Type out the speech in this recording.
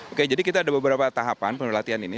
oke jadi kita ada beberapa tahapan penelatihan ini